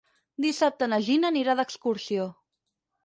Dissabte na Gina anirà d'excursió.